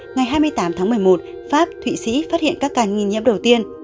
ngày hai mươi tám tháng một mươi một pháp thụy sĩ phát hiện các ca nghi nhiễm đầu tiên